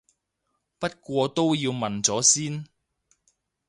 不過都要問咗先